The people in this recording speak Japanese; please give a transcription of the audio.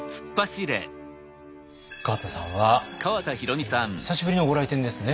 川田さんは久しぶりのご来店ですね。